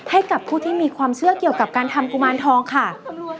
ให้กับผู้ที่มีความเชื่อเกี่ยวกับการทำกุมารทองค่ะ